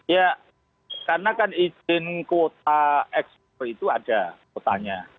ya karena kan izin kuota ekspor itu ada kuotanya